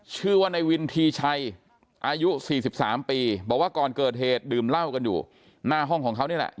ชื่อว่าในวินทีชัยอายุ๔๓ปีบอกว่าก่อนเกิดเหตุดื่มเหล้ากันอยู่หน้าห้องของเขานี่แหละ